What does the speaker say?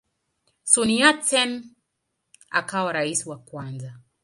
Sun Yat-sen akawa rais wa kwanza.